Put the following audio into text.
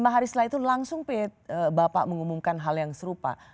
lima hari setelah itu langsung bapak mengumumkan hal yang serupa